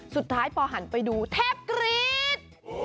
สุดท้ายพอหันไปดูแทบกรี๊ด